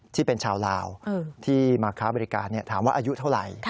ที่เป็นชาวลาวที่มาค้าบริการถามว่าอายุเท่าไหร่